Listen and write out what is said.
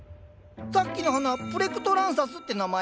さっきの花プレクトランサスって名前？